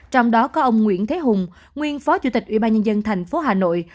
trong đó có ông nguyễn thế hùng nguyên phó chủ tịch ủy ban nhân dân thành phố hà nội